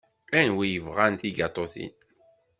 Anwi yebɣan tigaṭutin?